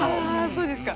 そうですか。